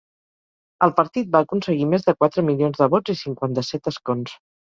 El partit va aconseguir més de quatre milions de vots i cinquanta-set escons.